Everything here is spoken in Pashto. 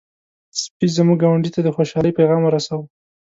سپي زموږ ګاونډی ته د خوشحالۍ پيغام ورساوه.